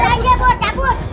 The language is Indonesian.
ambil aja bos cabut